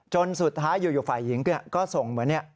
จนสุดท้ายอยู่ฝ่ายหญิงก็ส่งเหมือนเนี่ย